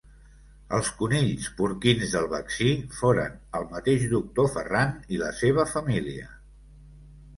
Els conills porquins del vaccí foren el mateix doctor Ferran i la seva família.